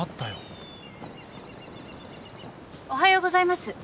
おはようございます。